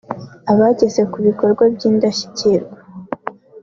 abageze kubikorwa by’indashyikirwa